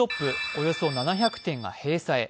およそ７００店が閉鎖へ。